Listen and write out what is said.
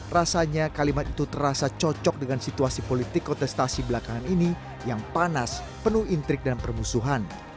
rasanya kalimat itu terasa cocok dengan situasi politik kontestasi belakangan ini yang panas penuh intrik dan permusuhan